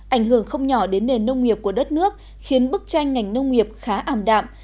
ảnh hưởng không nhỏ đến nền nông nghiệp của đất nước khiến bức tranh ngành nông nghiệp khá ảm đạm